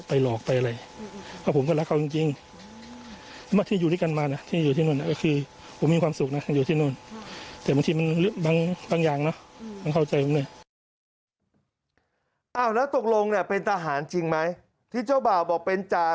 แล้วตกลงเนี่ยเป็นทหารจริงไหมที่เจ้าบ่าวบอกเป็นจ่า